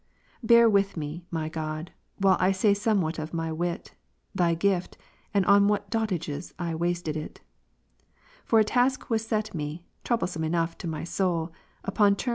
Bear with me, my God, while I say somewhat of my wit. Thy gift, and on what dotages I wasted it. For a task was set me, troublesome enough to my soul, upon terms t Coleman's Terence, Eunuch, act iii.